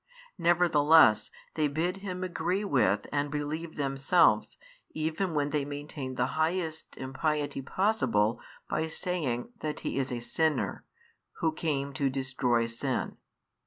Nevertheless they bid him agree with and believe themselves, even when they maintain the highest impiety possible by saying that He is a sinner, Who came to destroy sin.